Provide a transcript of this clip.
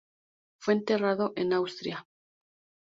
Fue enterrado en Austria.